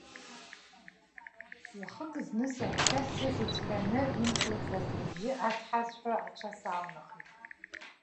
Уахык зны саҳәшьа сыхьӡ ҳәаны инҭлырҟьаз лыбжьы аҭҳарцәҳәа ацәа саалнахит.